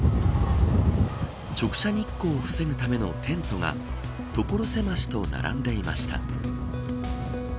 直射日光を防ぐためのテントが所狭しと並んでいました。